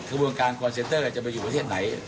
กระบวนการคอร์เซนเตอร์จะไปอยู่ประเทศไหน